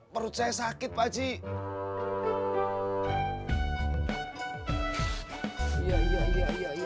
perut saya sakit pak ji